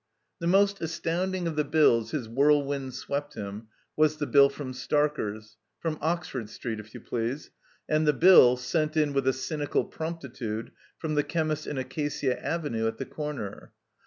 The most astounding of the bills his whirlwind swept him was the biU from Starker's — ^from Oxford Street, if you please — and the bill (sent in with a cynical promptitude) from the chemist in Acacia Avenue at the comer.